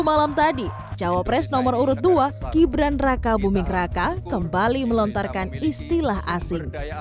malam tadi cawapres nomor urut dua gibran raka buming raka kembali melontarkan istilah asing